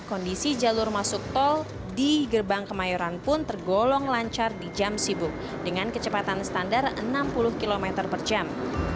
kondisi jalur masuk tol di gerbang kemayoran pun tergolong lancar di jam sibuk dengan kecepatan standar enam puluh km per jam